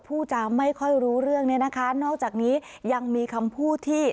ผู้จาไม่ค่อยรู้เรื่องเนี่ยนะคะนอกจากนี้ยังมีคำพูดที่